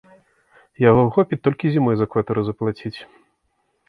Яго хопіць толькі зімой за кватэру заплаціць.